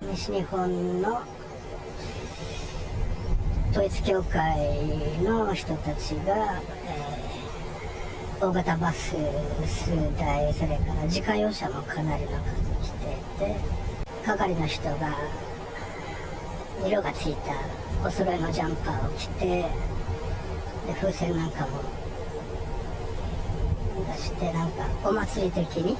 西日本の統一教会の人たちが、大型バス数台、それから自家用車の数もかなりの数来て、係の人が、色がついたおそろいのジャンパーを着て、風船なんかも出して、なんかお祭り的に。